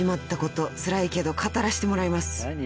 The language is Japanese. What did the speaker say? ［つらいけど語らしてもらいます］